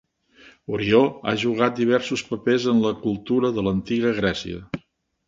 Orió ha jugat diversos papers en la cultura de l'Antiga Grècia.